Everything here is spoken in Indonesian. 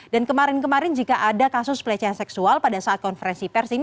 dan kemarin kemarin jika ada kasus pelecehan seksual pada saat konferensi pers ini